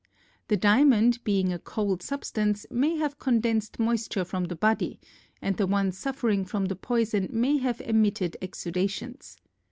The diamond, being a cold substance, may have condensed moisture from the body, and the one suffering from the poison may have emitted exudations.